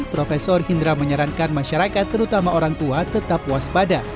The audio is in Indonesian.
profesor hindra menyarankan masyarakat terutama orang tua tetap waspada